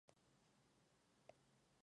Los frutos no son dehiscentes.